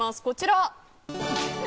こちら。